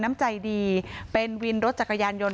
น้ำใจดีเป็นวินรถจักรยานยนต์